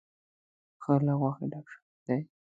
ښه له غوښې ډک شوی دی.